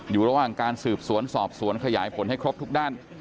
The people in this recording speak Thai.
อยู่ระหว่างการสืบสวนสอบสวนขยายผลให้ครบทุกด้าน